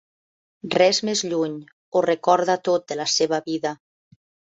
Res més lluny, ho recorda tot de la seva vida.